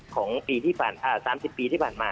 ของปีที่ผ่านอ่า๓๐ปีที่ผ่านมา